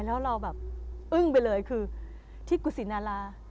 แล้วเราแบบอึ้งไปเลยคือที่กุศินารา